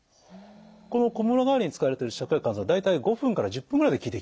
このこむら返りに使われている芍薬甘草湯大体５分から１０分ぐらいで効いてきます。